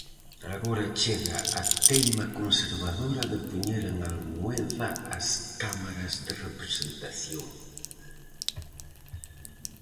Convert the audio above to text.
Agora chega a teima conservadora de poñer en almoeda as cámaras de representación.